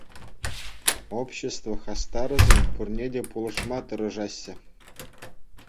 Общество хастарӗсем пурне те пулӑшма тӑрӑшаҫҫӗ.